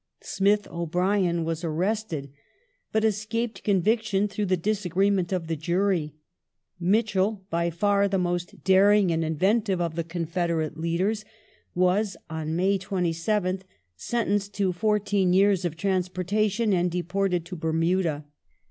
Smith O'Brien was arrested, but escaped conviction through the disagreement of the jury ; Mitchel — by far the most daring and inventive of the confederate leaders — was on May 27th sentenced to fourteen years' transportation, and deported to Bermuda.